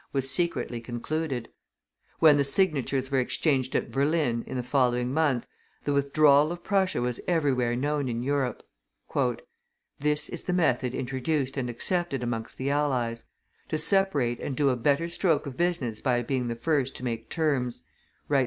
was secretly concluded; when the signatures were exchanged at Berlin in the following month, the withdrawal of Prussia was everywhere known in Europe. "This is the method introduced and accepted amongst the allies: to separate and do a better stroke of business by being the first to make terms," writes M.